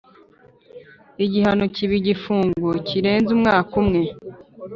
igihano kiba igifungo kirenze umwaka umwe